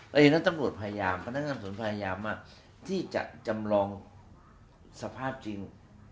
และอยู่ในตำรวจพยายามพนักงานสวนพยายามที่จะจำลองสภาพจริง